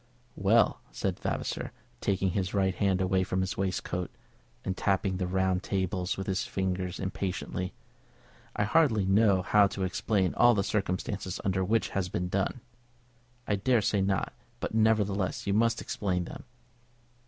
"Well," said Vavasor, taking his right hand away from his waistcoat, and tapping the round table with his fingers impatiently. "I hardly know how to explain all the circumstances under which this has been done." "I dare say not; but, nevertheless, you must explain them."